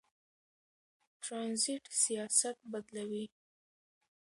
ترانزیت سیاست بدلوي.